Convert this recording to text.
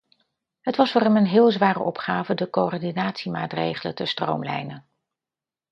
Het was voor hem een heel zware opgave de coördinatiemaatregelen te stroomlijnen.